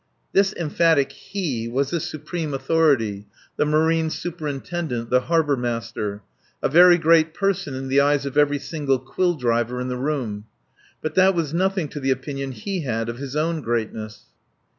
This emphatic He was the supreme authority, the Marine Superintendent, the Harbour Master a very great person in the eyes of every single quill driver in the room. But that was nothing to the opinion he had of his own greatness.